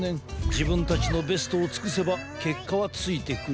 じぶんたちのベストをつくせばけっかはついてくる。